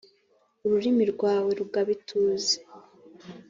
ururimi rwawe rugaba ituze